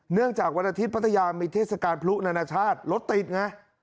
จากวันอาทิตย์พัทยามีเทศกาลพลุนานาชาติรถติดไง